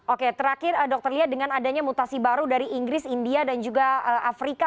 oke terakhir dokter lia dengan adanya mutasi baru dari inggris india dan juga afrika